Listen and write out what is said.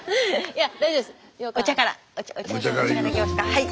はい。